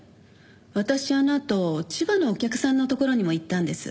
私あのあと千葉のお客さんのところにも行ったんです。